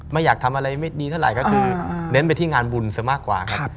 ไม่อยากทำอะไรไม่ดีเท่าไหร่ก็คือเน้นไปที่งานบุญซะมากกว่าครับ